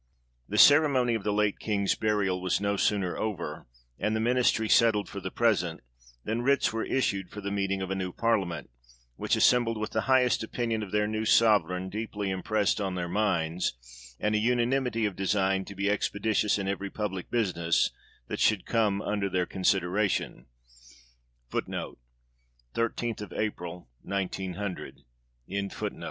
The ceremony of the late King's burial was no sooner over, and the ministry settled for the present, than writs were issued for the meeting of a new parliament ; which assembled 2 with the highest opinion of their new Sovereign deeply impressed on their minds, and a unanimity of design to be expeditious in every public business that should come under their consideration.